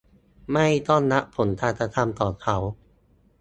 ไม่ต้องรับผลการกระทำของเขา